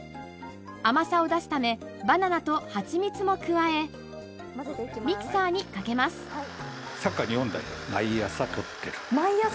甘さを出すためバナナとはちみつも加えミキサーにかけます毎朝！